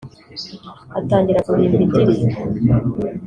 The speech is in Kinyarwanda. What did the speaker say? atangira guhimba indirimbo